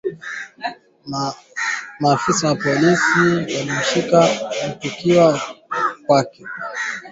Mhandisi anaongoza utafiti kwenye chuo kikuu cha Makerere, jijini Kampala Bain Omugisa, amesema hatua hiyo imechochea uchafuzi wa hewa ulimwenguni umeongeza vifo